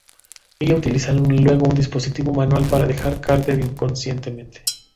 Ella utiliza luego un dispositivo manual para dejar a Carter inconsciente.